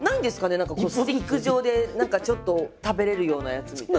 何かこうスティック状で何かちょっと食べれるようなやつみたいな。